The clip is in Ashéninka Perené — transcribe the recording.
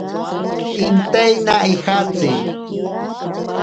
Intaina ijatsi.